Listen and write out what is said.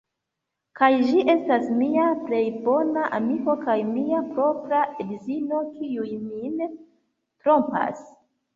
Kaj ĝi estas mia plej bona amiko kaj mia propra edzino, kiuj min trompas!